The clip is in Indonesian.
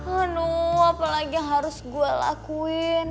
anuh apa lagi yang harus gue lakuin